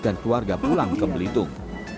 dan keluarga pulang ke belitung